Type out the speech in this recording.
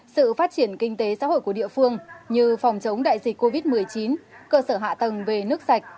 sự phát triển kinh tế xã hội của địa phương như phòng chống đại dịch covid một mươi chín cơ sở hạ tầng về nước sạch